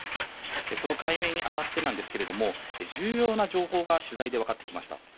その解明にあたってですが重要な情報が取材で分かってきました。